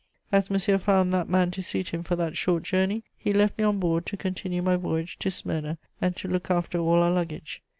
As Monsieur found that man to suit him for that short journey, he left me on board to continue my voyage to Smyrna and to look after all our luggage.